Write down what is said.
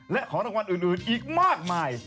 และของรางวัลอื่นอีกมากมาย